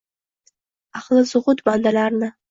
Ahli zuhud bandalarni